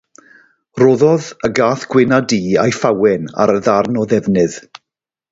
Rhoddodd y gath gwyn a du ei phawen ar y ddarn o ddefnydd.